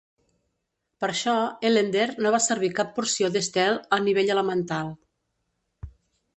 Per això, Ellender no va servir cap porció d'Estelle a nivell elemental.